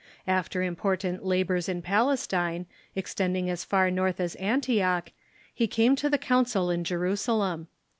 After important labors in Palestine, extending as far north as Antioch, he came to the council in Jerusalem.